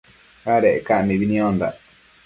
Adec ca mibi niondandac